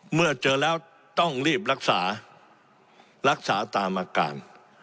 เมื่อเจอแล้วต้องรีบรักษารักษารักษาตามอาการ